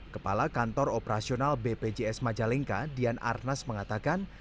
kepala kantor operasional bpjs majalengka dian arnas mengatakan